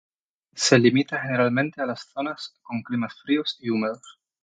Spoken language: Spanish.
Se limita generalmente a las zonas con climas fríos y húmedos.